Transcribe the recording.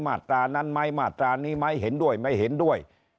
มาตรานั้นไหมมาตรานี้ไหมเห็นด้วยไม่เห็นด้วย